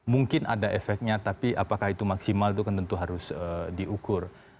mungkin ada efeknya tapi apakah itu maksimal itu kan tentu harus diukur